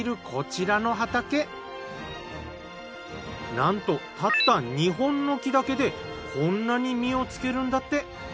なんとたった２本の木だけでこんなに実をつけるんだって。